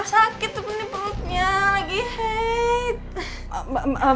sakit tuh bener peluknya lagi hate